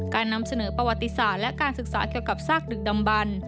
นำเสนอประวัติศาสตร์และการศึกษาเกี่ยวกับซากดึกดำบัน